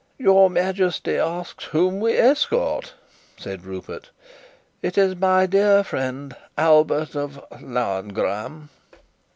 "Your Majesty asks whom we escort," said Rupert. "It is my dear friend, Albert of Lauengram."